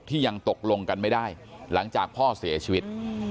ยังตกลงกันไม่ได้หลังจากพ่อเสียชีวิต